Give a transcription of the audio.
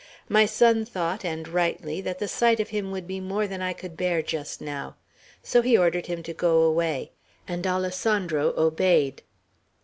"My son thought, and rightly, that the sight of him would be more than I could bear just now; so he ordered him to go away, and Alessandro obeyed."